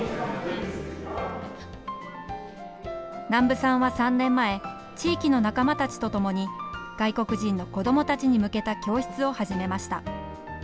南部さんは３年前、地域の仲間たちとともに外国人の子どもたちに向けた教室を始めました。